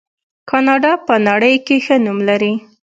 کاناډا په نړۍ کې ښه نوم لري.